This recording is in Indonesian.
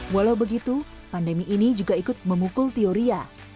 walau begitu pandemi ini juga ikut memukul teoria